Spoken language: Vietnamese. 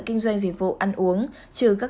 kinh doanh dịch vụ ăn uống trừ các